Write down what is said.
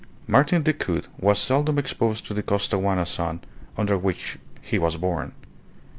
Martin Decoud was seldom exposed to the Costaguana sun under which he was born.